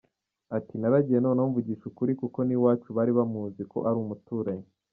Ati “Naragiye noneho mvugisha ukuri kuko n’iwacu bari bamuzi ko ari umuturanyi.